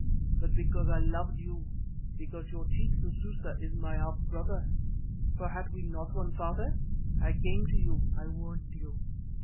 But because I loved you, because your chief Sususa is my half brother—for had we not one father?—I came to you, I warned you.